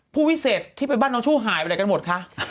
ผู้วิเศษที่ไปบ้านน้องชมพู่หายไปไหนกันหมดคะ